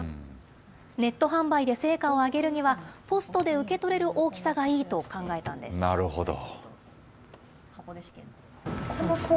ネット販売で成果を上げるには、ポストで受け取れる大きさがいいなるほど。